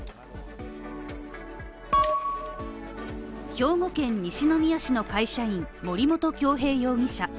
兵庫県西宮市の会社員森本恭平容疑者。